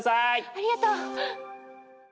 ありがとう！